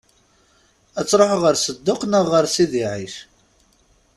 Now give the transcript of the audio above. Ad tṛuḥ ɣer Sedduq neɣ ɣer Sidi Ɛic?